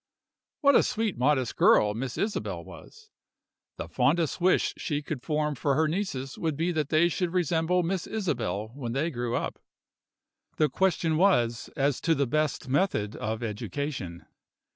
What a sweet, modest girl Miss Isabel was! The fondest wish she could form for her nieces would be that they should resemble Miss Isabel when they grew up. The question was, as to the best method of education.